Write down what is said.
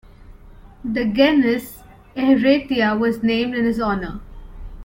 The genus "Ehretia" was named in his honour.